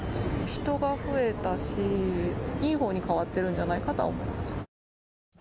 人が増えたし、いいほうに変わっているのではないかと思います。